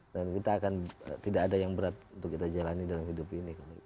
kita akan tidak ada yang berat untuk kita jalani dalam hidup ini